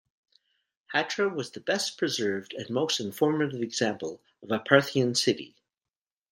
Hatra was the best preserved and most informative example of a Parthian city.